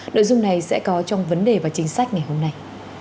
nội dung này sẽ có trong vấn đề và chính sách ngày hôm nay